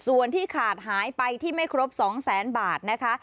ส่วนที่ขาดหายไปที่ไม่ครบ๒แสนบาทนะคะ